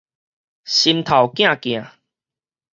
心頭鏡鏡